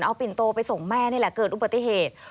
เอาปิ่นโตไปส่งแม่นี่แหละเกิดอุบัติเหตุ